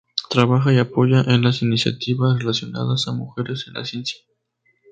Trabaja y apoya en las iniciativas relacionadas a mujeres en la ciencia.